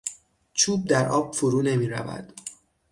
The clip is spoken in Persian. چوب در آب فرو نمیرود.